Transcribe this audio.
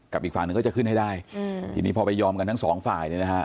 อีกฝั่งหนึ่งก็จะขึ้นให้ได้ทีนี้พอไปยอมกันทั้งสองฝ่ายเนี่ยนะฮะ